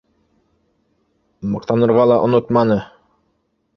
— Маҡтанырға ла онотманы